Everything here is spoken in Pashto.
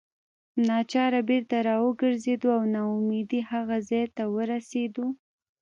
ناچاره بیرته راوګرځېدو او نا امیدۍ هغه ځای ته ورسېدو.